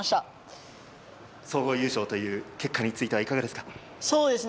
けれ総合優勝という結果についてはいかがですか？